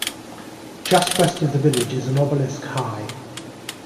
Just west of the village is an obelisk high.